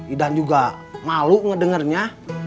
idan juga malu ngedengernya